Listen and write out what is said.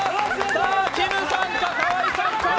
さあ、きむさんか河井さんか。